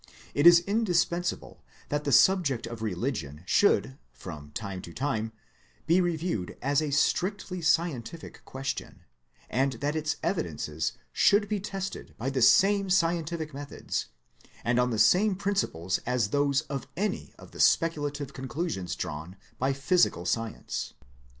It is indispensable that the subject of religion should from time to time be reviewed as a strictly scientific question, and that its evidences should be tested by the same scientific methods, and on the same principles as those of any of the speculative conclusions drawn INTRODUCTION 129 by physical science.